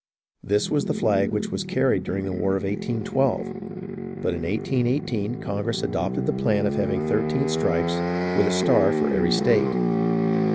This was the flag which was carried during the War of 18 12; but in 18 1 8, Congress adopted the plan of having thirteen stripes, with a star for every state.